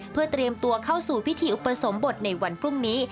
เพื่อเตรียมตัวเข้าสู่พิธีอุปสมบทในวันพรุ่งนี้